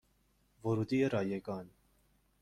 ورودی رایگان